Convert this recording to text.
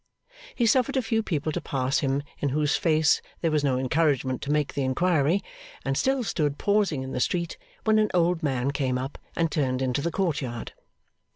He suffered a few people to pass him in whose face there was no encouragement to make the inquiry, and still stood pausing in the street, when an old man came up and turned into the courtyard.